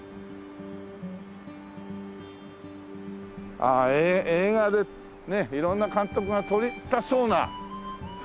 ああ映画でね色んな監督が撮りたそうな雰囲気ですよね。